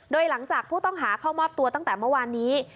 โดยหลังจากผู้ต้องหาเข้ามอบตัวตั้งแต่เมื่อวานนี้